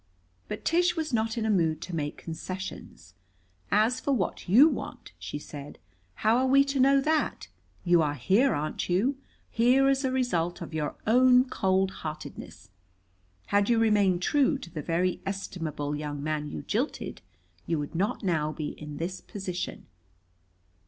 But Tish was not in a mood to make concessions. "As for what you want," she said, "how are we to know that? You are here, aren't you? here as a result of your own cold heartedness. Had you remained true to the very estimable young man you jilted you would not now be in this position."